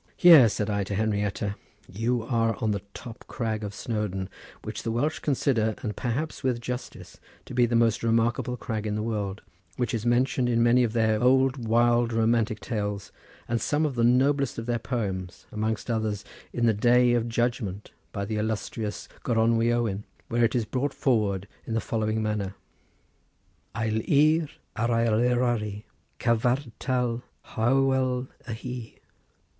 "Here," said I to Henrietta, "you are on the top crag of Snowdon, which the Welsh consider, and perhaps with justice to be the most remarkable crag in the world; which is mentioned in many of their old wild romantic tales, and some of the noblest of their poems, amongst others in the 'Day of Judgment,' by the illustrious Goronwy Owen, where it is brought forward in the following manner: 'Ail i'r ar ael Eryri, Cyfartal hoewal a hi.